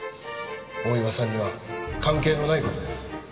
大岩さんには関係のない事です。